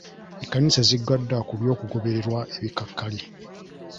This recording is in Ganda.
Ekkanisa zigguddwa ku by'okugobererwa ebikakali.